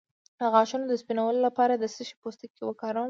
د غاښونو د سپینولو لپاره د څه شي پوستکی وکاروم؟